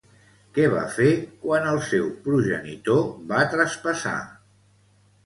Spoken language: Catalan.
Què va fer quan el seu progenitor va traspassar?